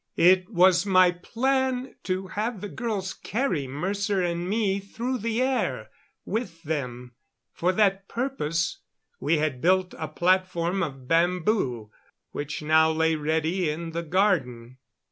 It was my plan to have the girls carry Mercer and me through the air with them. For that purpose we had built a platform of bamboo, which now lay ready in the garden.